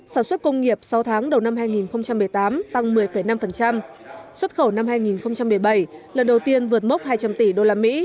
sản xuất công nghiệp sáu tháng đầu năm hai nghìn một mươi tám tăng một mươi năm xuất khẩu năm hai nghìn một mươi bảy lần đầu tiên vượt mốc hai trăm linh tỷ usd